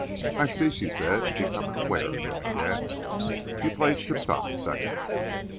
"I see," she said, becoming aware of him again. "You played Tip Top Second."